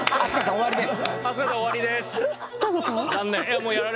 終わりです。